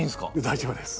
大丈夫です。